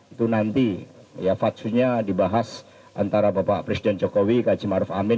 itu nanti ya faksunya dibahas antara bapak presiden jokowi kajimaraf amin